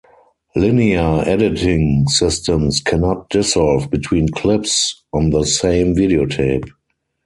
Linear editing systems cannot dissolve between clips on the same video tape.